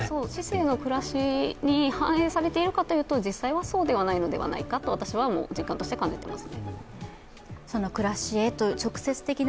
市井の暮らしに反映されているかというと、実際はそうではないのではないかと私は実感として感じています。